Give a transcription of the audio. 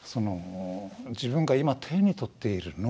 自分が今手に取っている脳